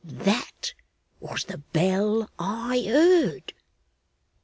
'That was the bell I heard.